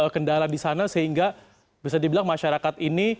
kendala di sana sehingga bisa dibilang masyarakat ini